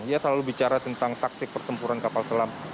ia selalu bicara tentang taktik pertempuran kapal selam